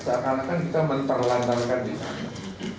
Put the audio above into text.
seakan akan kita memperlambangkan di sana